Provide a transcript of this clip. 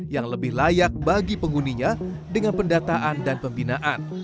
yang lebih layak bagi penghuninya dengan pendataan dan pembinaan